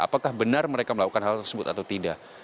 apakah benar mereka melakukan hal tersebut atau tidak